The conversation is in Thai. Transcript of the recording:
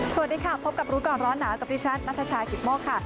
สวัสดีค่ะพบกับรู้ก่อนร้อนหนาวกับดิฉันนัทชายกิตโมกค่ะ